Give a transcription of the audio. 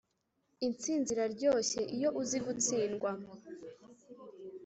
“intsinzi iraryoshye iyo uzi gutsindwa.”